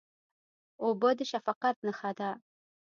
اوبه د شفقت نښه ده.